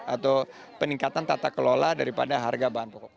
atau peningkatan tata kelola daripada harga bahan pokok